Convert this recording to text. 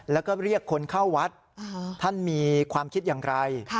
แล้วก็เรียกคนเข้าวัดท่านมีความคิดอย่างไร